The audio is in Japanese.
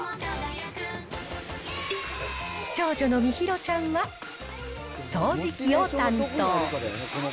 長女のみひろちゃんは掃除機を担当。